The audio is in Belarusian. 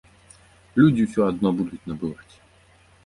Людзі ўсё адно будуць набываць.